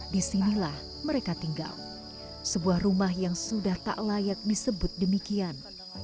disinilah mereka tinggal sebuah rumah yang sudah tak layak disebut demikian